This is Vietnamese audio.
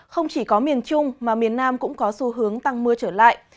không chỉ có miền trung mà miền nam cũng có xu hướng tăng mưa trở lại